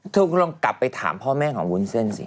ทุกคนต้องกลับไปถามพ่อแม่ของวุ้นเซ่นสิ